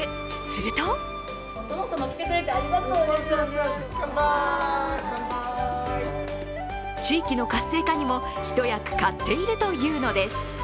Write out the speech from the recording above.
すると地域の活性化にも一役買っているというのです。